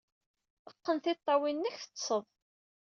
Qqen tiṭṭawin-nnek, teḍḍsed!